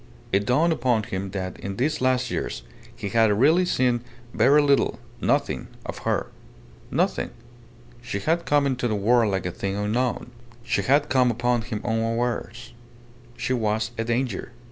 It dawned upon him that in these last years he had really seen very little nothing of her. Nothing. She had come into the world like a thing unknown. She had come upon him unawares. She was a danger.